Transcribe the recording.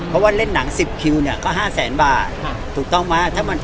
เพราะว่าเล่นหนัง๑๐คิวเนี่ยก็๕แสนบาทถูกต้องไหม